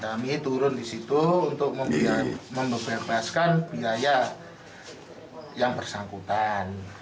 kami turun di situ untuk membebaskan biaya yang bersangkutan